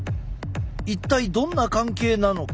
一体どんな関係なのか。